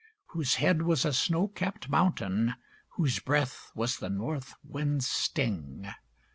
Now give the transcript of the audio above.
Whose head was a snow capped mountain Whose breath was the North Wind's sting.